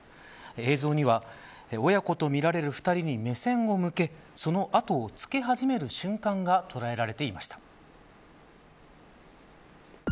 映像には親子とみられる２人に目線を向けその後をつけ始める瞬間が捉えられていました。